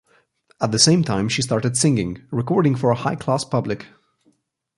At the same time, she started singing, recording for a high-class public.